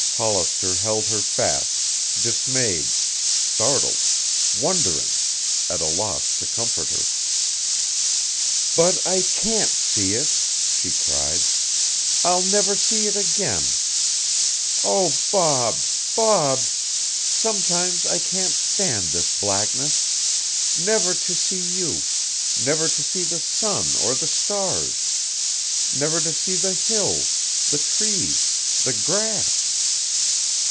Hollister held her fast, dismayed, startled, wondering, at a loss to comfort her. "But I can't see it," she cried. "I'll never see it again. Oh, Bob, Bob! Sometimes I can't stand this blackness. Never to see you never to see the sun or the stars never to see the hills, the trees, the grass.